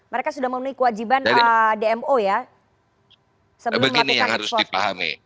mereka sudah memenuhi kewajiban dmo ya